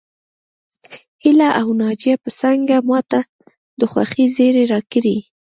هيله او ناجيه به څنګه ماته د خوښۍ زيری راکړي